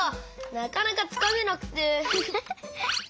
なかなかつかめなくて。